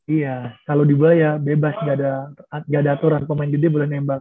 iya kalau di buaya bebas gak ada aturan pemain gede boleh nembak